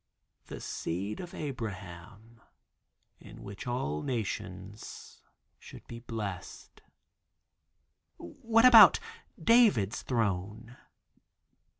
"The seed of Abraham in which all nations should be blessed." "What about David's throne?"